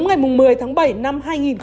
ngày một mươi tháng bảy năm hai nghìn hai mươi